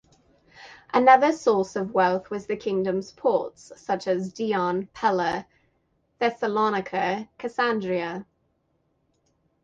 Another source of wealth was the kingdom's ports, such as Dion, Pella, Thessalonica, Cassandreia.